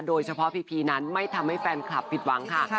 โดยเฉพาะพีพีนั้นไม่ทำให้แฟนคลับผิดหวังค่ะ